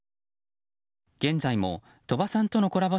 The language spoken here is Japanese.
現在も鳥羽さんとのコラボ